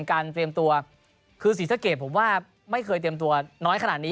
เตรียมตัวคือศรีสะเกดผมว่าไม่เคยเตรียมตัวน้อยขนาดนี้